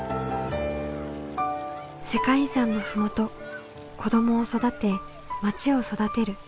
世界遺産の麓子どもを育てまちを育てる。